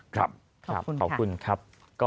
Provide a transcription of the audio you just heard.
ขอบคุณครับ